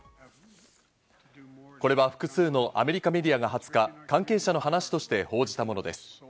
これは複数のアメリカメディアが２０日、関係者の話として報じたものです。